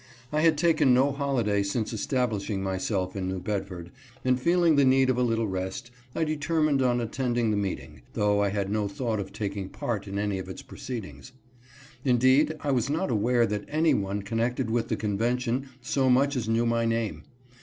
I had taken no holiday since establishing myself in New Bedford, and feeling the need of a little rest, I determined on attending the meeting, though I had no thought of taking part in any of its pro ceedings. Indeed, I was not aware that any one con nected with the convention so much as knew my name.